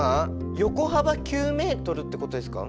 横幅９メートルってことですか？